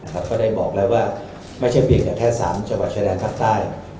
ก็ได้บอกแล้วว่าไม่ใช่เพียงแต่แค่๓จังหวัดชายแดนภาคใต้